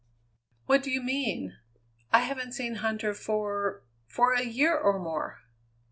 "What do you mean? I haven't seen Huntter for for a year or more.